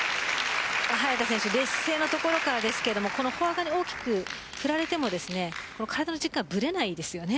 早田選手、劣勢のところからこのフォア側に大きく振られても体の軸がぶれないです。